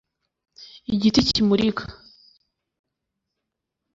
igiti kimurika